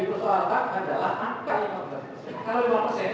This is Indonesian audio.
itu adalah penyelesaian